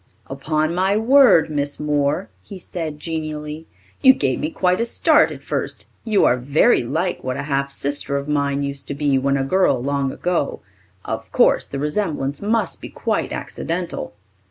"Upon my word, Miss Moore," he said genially, "you gave me quite a start at first. You are very like what a half sister of mine used to be when a girl long ago. Of course the resemblance must be quite accidental."